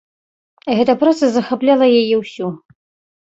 Гэтая праца захапляла яе ўсю.